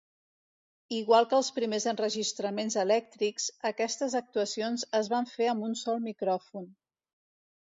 Igual que els primers enregistraments elèctrics, aquestes actuacions es van fer amb un sol micròfon.